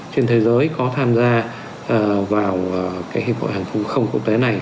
trên thế giới có tham gia vào hiệp hội hàng không quốc tế này